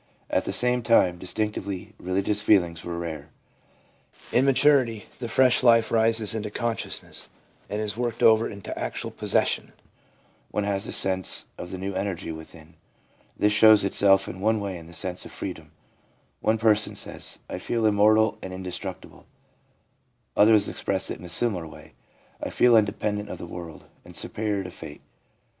At the same time distinctively religious feelings were rare. In maturity the fresh life rises into consciousness, and is worked over into an actual possession ; one has a sense of the new energy within. This shows itself in one way in the sense of freedom ; one person says :' I feel immortal and inde structible.' Others express it in a similar way. ' I feel independent of the world, and superior to fate.'